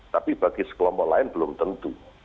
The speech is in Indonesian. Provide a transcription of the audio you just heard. tapi bagi sekelompok lain belum tentu